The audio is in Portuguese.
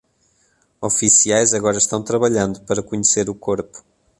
Oficiais agora estão trabalhando para conhecer o corpo.